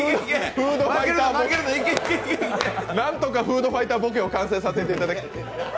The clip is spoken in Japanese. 何とかフードファイターぼけを完成させていただきたい。